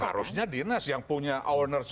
harusnya dinas yang punya owners